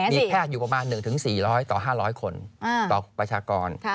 มีแพทย์อยู่ประมาณ๑๔๐๐ต่อ๕๐๐คนต่อประชากร